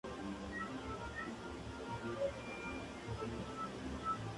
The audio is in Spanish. Finalmente, todas estas ciencias convergen en la sociología.